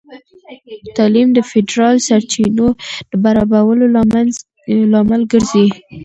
تعلیم د فیدرال سرچینو د برابرولو لامل ګرځي.